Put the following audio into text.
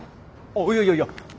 あっいやいやいや！